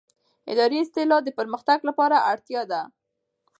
اداري اصلاح د پرمختګ اړتیا ده